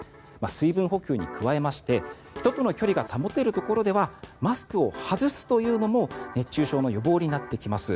水分補給に加えまして人との距離が保てるところではマスクを外すというのも熱中症の予防になってきます。